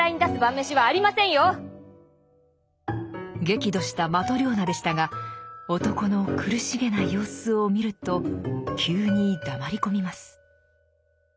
激怒したマトリョーナでしたが男の苦しげな様子を見ると急に黙り込みます。